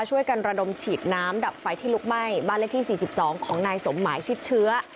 ช่วยกันระดมฉีดน้ำดับไฟที่ลุกไหม้บ้านเลขที่๔๒ของนายสมหมายชิดเชื้อ